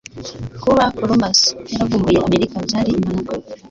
Kuba Columbus yaravumbuye Amerika byari impanuka.